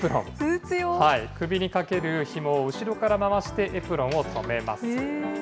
首に掛けるひもを後ろから回して、エプロンを留めます。